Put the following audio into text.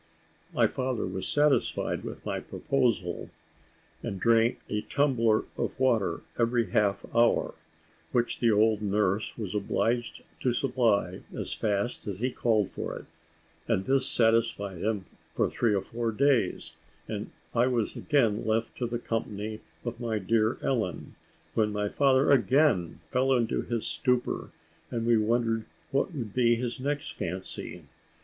My father was satisfied with my proposal, and drank a tumbler of water every half hour, which the old nurse was obliged to supply as fast as he called for it, and this satisfied him for three or four days, and I was again left to the company of my dear Ellen, when my father again fell into his stupor, and we wondered what would be his next fancy.